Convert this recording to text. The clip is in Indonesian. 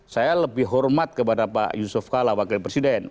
saya lebih hormat kepada pak yusuf kala wakil presiden